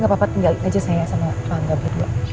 gak apa apa tinggalin aja sama pak angga berdua